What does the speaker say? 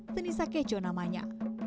tenisa keco namanya